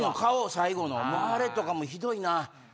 最後のあれとかもひどいな。